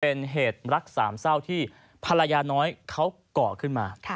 เป็นเหตุรักสามเศร้าที่ภรรยาน้อยเขาก่อขึ้นมา